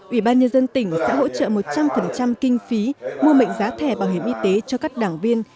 ủy ban nhân dân tỉnh sẽ hỗ trợ một trăm linh kinh phí mua mệnh giá thẻ bảo hiểm y tế cho các đảng viên